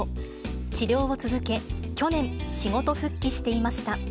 治療を続け、去年、仕事復帰していました。